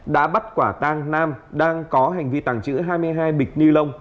đã bắt quả tang nam đang có hành vi tàng trữ hai mươi hai bịch ni lông